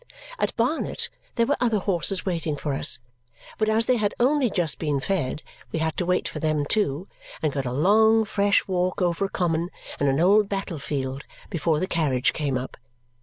At Barnet there were other horses waiting for us, but as they had only just been fed, we had to wait for them too, and got a long fresh walk over a common and an old battle field before the carriage came up.